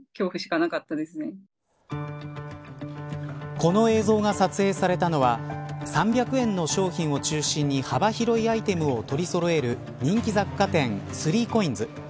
この映像が撮影されたのは３００円の商品を中心に幅広いアイテムを取りそろえる人気雑貨店スリーコインズ。